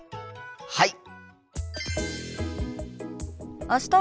はい！